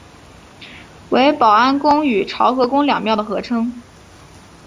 为保安宫与潮和宫两庙的合称。